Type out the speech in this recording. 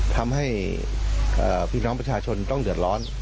ทำให้พี่น้องประชาชนต้องเดือดร้อน